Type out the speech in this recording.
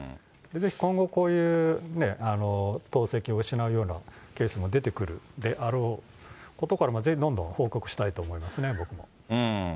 今後こういう党籍を失うようなケースも出てくるであろうことから、ぜひどんどん報告したいと思いますね、僕も。